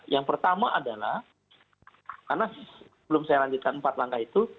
yang pertama adalah karena sebelum saya lanjutkan empat langkah itu